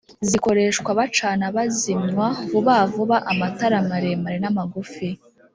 zikoreskwa bacana bazimywa vubavuba amatara maremare n’amagufi